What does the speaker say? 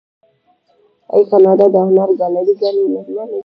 آیا کاناډا د هنر ګالري ګانې نلري؟